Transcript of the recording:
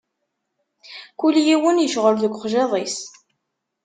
Kul yiwen icɣel deg uxjiḍ-is.